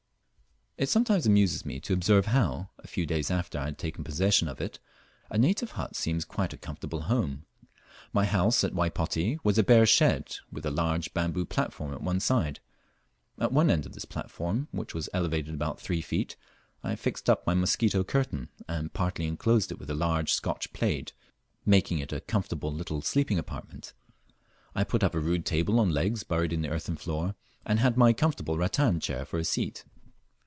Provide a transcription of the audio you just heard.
It sometimes amuses me to observe how, a few days after I have taken possession of it, a native hut seems quite a comfortable home. My house at Waypoti was a bare shed, with a large bamboo platform at one side. At one end of this platform, which was elevated about three feet, I fixed up my mosquito curtain, and partly enclosed it with a large Scotch plaid, making a comfortable little sleeping apartment. I put up a rude table on legs buried in the earthen floor, and had my comfortable rattan chair for a seat.